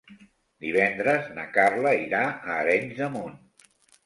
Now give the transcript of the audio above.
Divendres na Carla irà a Arenys de Munt.